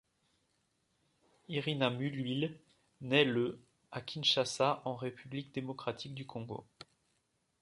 Irina Muluile naît le à Kinshasa en République démocratique du Congo.